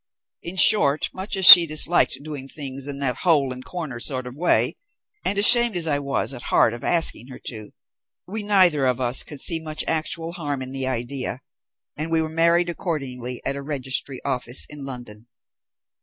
In short, much as she disliked doing things in that hole and corner sort of way, and ashamed as I was at heart of asking her to, we neither of us could see much actual harm in the idea, and we were married accordingly at a registry office in London.